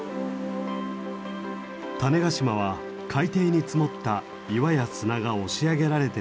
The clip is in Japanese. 種子島は海底に積もった岩や砂が押し上げられてできた島。